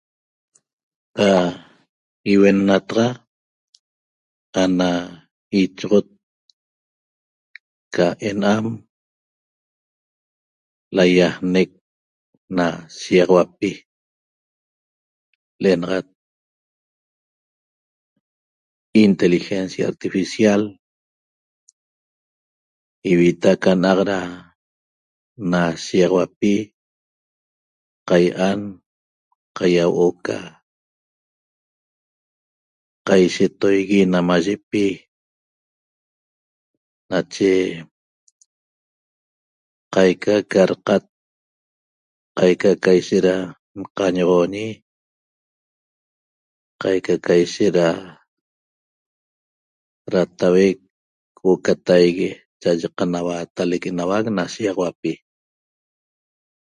Da iuennataxa ana ichoxot ca ena'am laýajnec na shiýaxauapi l'enaxat inteligencia artificial ivita ca na'a'q da na shiýaxauapi qai'an qaýauo'o ca qaishetoigui namayipi nache qaica ca daqat qaica ca ishet nqañoxooñi qaica ca ishet da datauec huo'o ca taigue cha'aye qanauaatalec enauac na shiýaxauapi